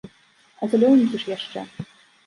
А зялёненькі ж яшчэ.